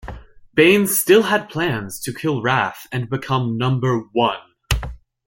Bain still plans to kill Rath and become number one.